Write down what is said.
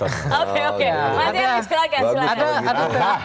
oke oke maksudnya misalkan